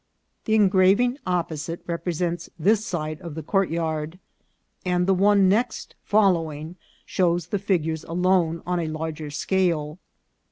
The engraving opposite represents this side of the courtyard, and the one next following shows the figures alone, on a larger scale.